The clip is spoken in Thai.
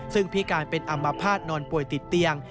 ซึ่งพิการเป็นอัมพาตนอนป่วยติดเตียง